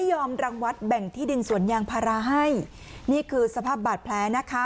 ยอมรังวัดแบ่งที่ดินสวนยางพาราให้นี่คือสภาพบาดแผลนะคะ